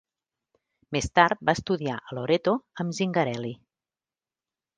Més tard va estudiar a Loreto amb Zingarelli.